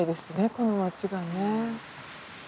この街がね。